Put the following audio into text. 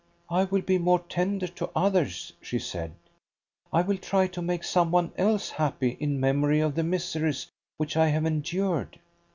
"I will be more tender to others," she said. "I will try to make some one else happy in memory of the miseries which I have endured."